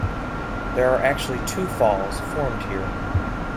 There are actually two falls formed here.